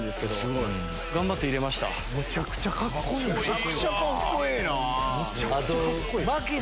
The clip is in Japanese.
むちゃくちゃカッコいいな。